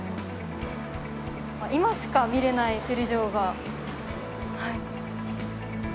今しか見られない首里城がはい。